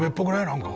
なんか。